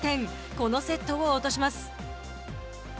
このセットを落とします。